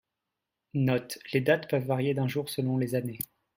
Note : les dates peuvent varier d'un jour selon les années.